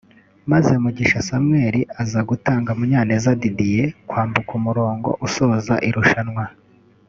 maze Mugisha Samuel aza gutanga Munyaneza Didier kwambuka umurongo usoza irushanwa